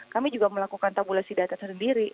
kami juga melakukan tabulasi data sendiri